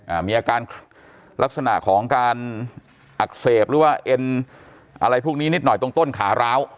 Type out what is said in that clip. อ่ามีอาการลักษณะของการอักเสบหรือว่าเอ็นอะไรพวกนี้นิดหน่อยตรงต้นขาร้าว